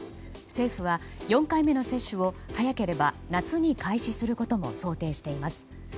政府は、４回目の接種を早ければ夏に開始することも想定しています。